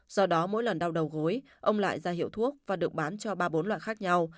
do đó mỗi lần đau đầu gối ông lại ra hiệu thuốc và được bán cho ba bốn loại khác nhau